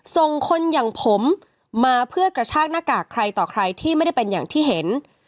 ส่งคนอย่างผมมาเพื่อกระชากหน้ากากใครต่อใครที่ไม่ได้เป็นอย่างที่เห็น